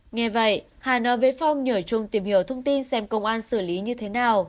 nghe vậy hà nói với phong nhảy chung tìm hiểu thông tin xem công an xử lý như thế nào